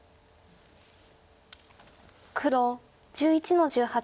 黒１１の十八。